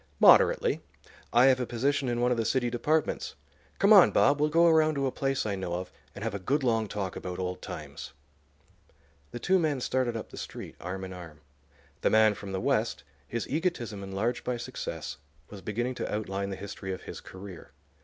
"Moderately. I have a position in one of the city departments. Come on, Bob; we'll go around to a place I know of, and have a good long talk about old times." The two men started up the street, arm in arm. The man from the West, his egotism enlarged by success, was beginning to outline the history of his career.